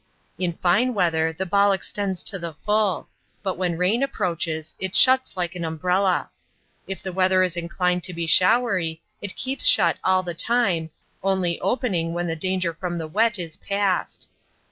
In fine weather the ball extends to the full, but when rain approaches, it shuts like an umbrella. If the weather is inclined to be showery it keeps shut all the time, only opening when the danger from the wet is past.